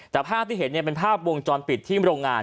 แต่ภาพที่เห็นเป็นภาพวงจรปิดที่โรงงาน